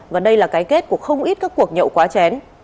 và đây là cái kết của không ít các cuộc nhậu quá chén